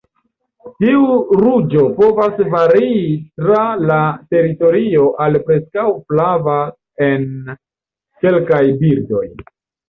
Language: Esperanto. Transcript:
Tiu ruĝo povas varii tra la teritorio al preskaŭ flava en kelkaj birdoj.